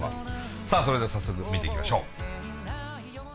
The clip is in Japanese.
さあそれでは早速見ていきましょう。